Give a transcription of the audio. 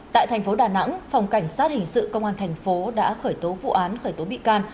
tại thành phố đà nẵng phòng cảnh sát hình sự công an thành phố đã khởi tố vụ án khởi tố bị can